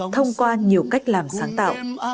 thông qua nhiều cách làm sáng tạo